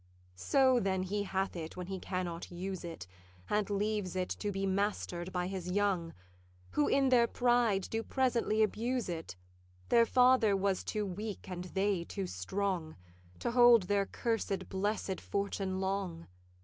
'So then he hath it when he cannot use it, And leaves it to be master'd by his young; Who in their pride do presently abuse it: Their father was too weak, and they too strong, To hold their cursed blessed fortune long.